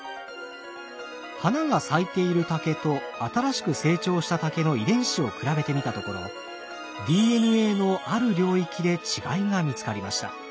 花が咲いている竹と新しく成長した竹の遺伝子を比べてみたところＤＮＡのある領域で違いが見つかりました。